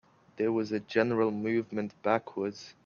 There was a general movement backwards.